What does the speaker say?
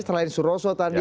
selain nisworozo tadi